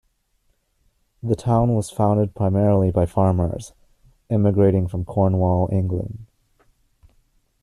The town was founded primarily by farmers immigrating from Cornwall, England.